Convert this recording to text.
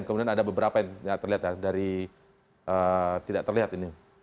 kemudian ada beberapa yang terlihat ya dari tidak terlihat ini